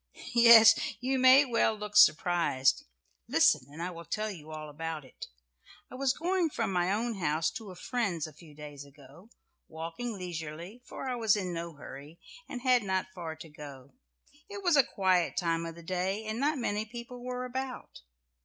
Yes, you may well look surprised. Listen and I will tell you all about it. I was going from my own house to a friend's a few days ago, walking leisurely, for I was in no hurry, and had not far to go. It was a quiet time of the day, and not many people were about.